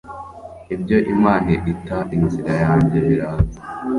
ibyo imana ita inzira yanjye biraza